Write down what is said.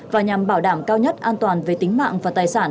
và nhằm bảo đảm cao nhất an toàn về tính mạng và tài sản